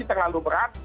yang terlalu berat